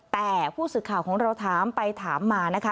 แต่ผู้สื่อข่าวของเราถามไปถามมานะคะ